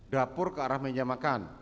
dapur ke arah meja makan